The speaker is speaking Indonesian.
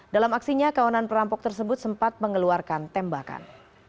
dalam aksinya kawanan perampok tersebut sempat mengeluarkan tembakan